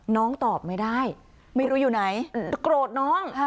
ตอบไม่ได้ไม่รู้อยู่ไหนโกรธน้อง